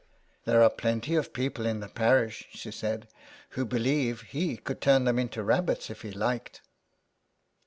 * There are plenty of people in the parish,' she said, 'who believe he could turn them into rabbits if he liked.'